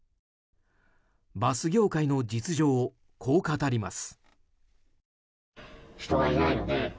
バス業界の実情をこう語ります。